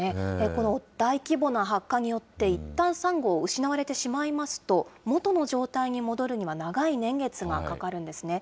この大規模な白化によって、いったんサンゴ、失われてしまいますと、元の状態に戻るには長い年月がかかるんですね。